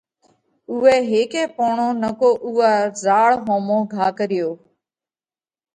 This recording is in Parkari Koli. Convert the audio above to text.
اُوئہ هيڪي پوڻو نڪو اُوئا زاۯ ۿومو گھا ڪريو